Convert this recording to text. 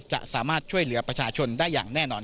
จะสามารถช่วยเหลือประชาชนได้อย่างแน่นอน